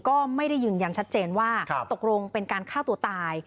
ก็ไม่ได้ยืนยันชัดเจนว่าตกลงเป็นการฆ่าตัวตาย